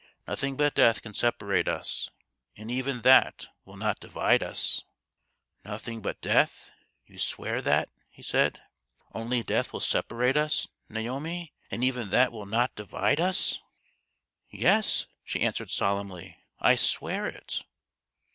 Nothing but death can separate us, and even that will not divide us." THE GHOST OF THE PAST. 159 " Nothing but death ? You swear that ?" he paid. " Only death will separate us, Naomi, and even that will not divide us ?"" Yes/' she answered solemnly ;" I swear it."